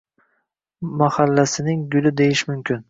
malhallasining guli deyish mumkin.